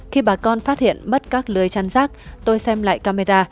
khi bà con phát hiện mất các lưới chăn rác tôi xem lại camera